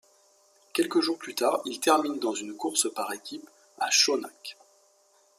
Quelques jours plus tard, il termine dans une course par équipe à Schonach.